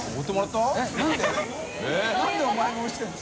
┐叩何でお前も押してるの？